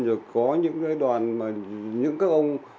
rồi có những đoàn mà những các ông